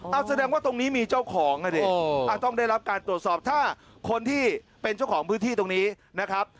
เอาแสดงว่าตรงนี้มีเจ้าของอ่ะดิต้องได้รับการตรวจสอบถ้าคนที่เป็นเจ้าของพื้นที่ตรงนี้นะครับ